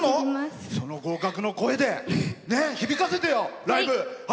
その合格の声で響かせてよ、ライブ。